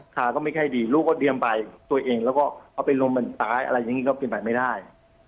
ขาก็ไม่ค่อยดีลูกก็เตรียมไปตัวเองแล้วก็เอาไปลมมันตายอะไรอย่างนี้ก็เป็นไปไม่ได้